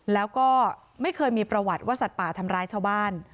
แล้วก็ไม่เคยมีประวัติว่าสัตว์ป่าทำร้ายชาวบ้าน